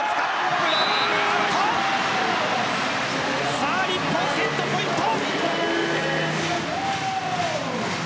さあ日本セットポイント。